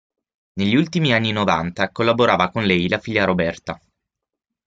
Negli ultimi anni novanta collaborava con lei la figlia Roberta.